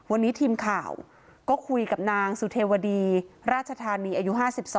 วันนี้ทีมข่าวก็คุยกับนางสุเทวดีราชธานีอายุ๕๒